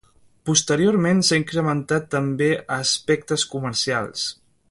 Posteriorment s'ha incrementat també a aspectes comercials.